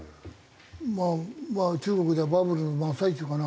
まあ中国じゃバブルの真っ最中かな。